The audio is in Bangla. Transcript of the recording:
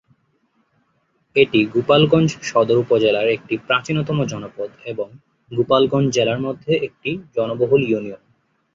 এটি গোপালগঞ্জ সদর উপজেলার একটি প্রাচীনতম জনপদ এবং গোপালগঞ্জ জেলার মধ্যে একটি জনবহুল ইউনিয়ন।